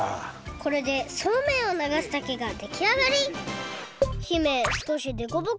これでそうめんをながす竹ができあがり！